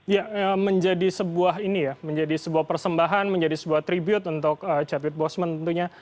ya menjadi sebuah ini ya menjadi sebuah persembahan menjadi sebuah tribute untuk chat wit boseman tentunya